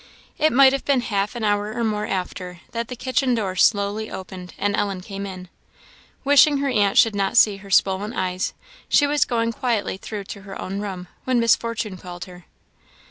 It might have been half an hour or more after, that the kitchen door slowly opened, and Ellen came in. Wishing her aunt should not see her swollen eyes, she was going quietly through to her own room, when Miss Fortune called her.